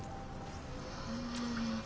はあ。